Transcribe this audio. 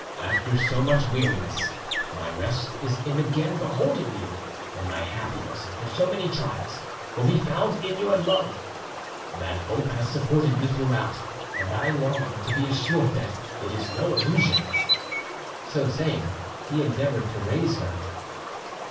After so much weariness, my rest is in again beholding you, and my happiness after so many trials will be found in your love. That hope has supported me throughout, and I long to be assured that it is no illusion." So saying, he endeavoured to raise her.